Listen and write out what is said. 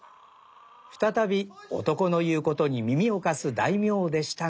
再び男の言うことに耳を貸す大名でしたが。